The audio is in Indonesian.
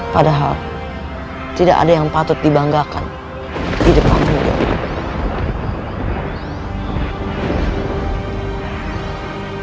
padahal tidak ada yang patut dibanggakan di depanmu ya allah